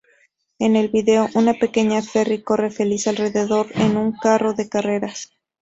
En el video, una pequeña Ferry corre feliz alrededor en un carro de carreras.